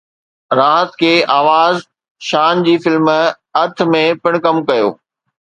راحت ڪي آواز شان جي فلم ارٿ ۾ پڻ ڪم ڪيو